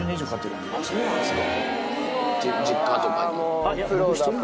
そうなんですか。